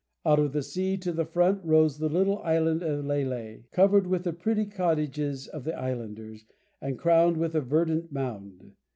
Out of the sea to the front rose the little island of Leilei, covered with the pretty cottages of the islanders, and crowned with a verdant mound.